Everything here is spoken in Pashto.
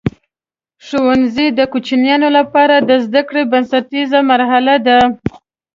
ښوونځی د کوچنیانو لپاره د زده کړې بنسټیزه مرحله ده.